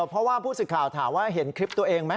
เพราะว่าผู้สื่อข่าวถามว่าเห็นคลิปตัวเองไหม